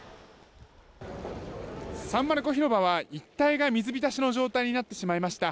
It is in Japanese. サンマルコ広場は一帯が水浸しの状態になってしまいました。